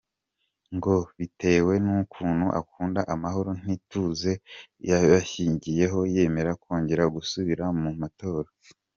Ngo bitewe n’ukuntu akunda amahoro n’ituze yabishingiyeho yemera kongera gusubira mu matora.